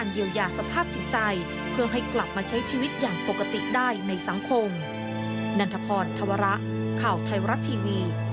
รับทราบ